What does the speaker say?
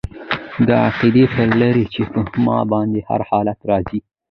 دا عقیده به لري چې په ما باندي هر حالت را ځي